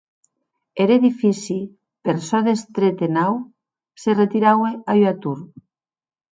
Er edifici, per çò d’estret e naut, se retiraue a ua tor.